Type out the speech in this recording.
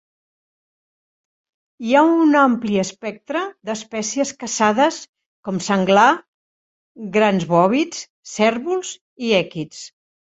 Hi ha un ampli espectre d'espècies caçades, com senglar, grans bòvids, cérvols i èquids.